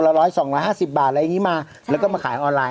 ไม่ทำไมให้ฉันมานั่นอ่านปีวัว